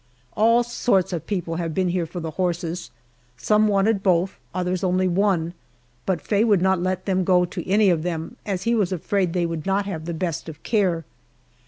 All sorts of people have been here for the horses some wanted both, others only one but Faye would not let them go to any of them, as he was afraid they would not have the best of care.